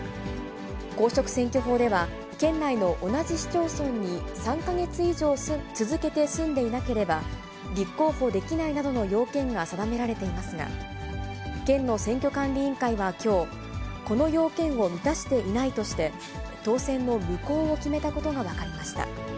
公職選挙法では、県内の同じ市町村に３か月以上続けて住んでいなければ、立候補できないなどの要件が定められていますが、県の選挙管理委員会はきょう、この要件を満たしていないとして、当選の無効を決めたことが分かりました。